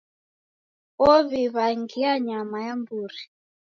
Ow'iw'aghia nyama ya mburi.